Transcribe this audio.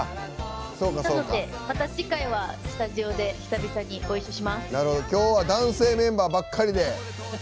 なので、また次回はスタジオで久々にご一緒します。今日は男性メンバーばっかりで。